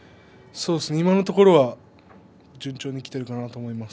今のところは順調にきていると思います。